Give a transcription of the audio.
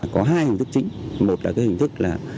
có hai hình thức chính một là cái hình thức là